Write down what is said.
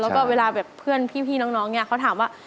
แล้วก็เวลาแบบเพื่อนพี่น้องเนี่ยเขาถามว่า